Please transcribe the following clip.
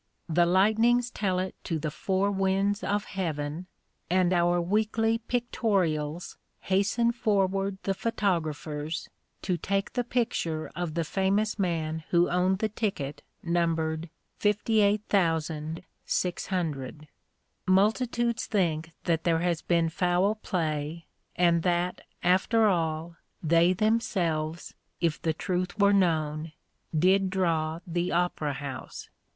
The lightnings tell it to the four winds of heaven, and our weekly pictorials hasten forward the photographers to take the picture of the famous man who owned the ticket numbered 58,600. Multitudes think that there has been foul play, and that, after all, they themselves, if the truth were known, did draw the Opera House.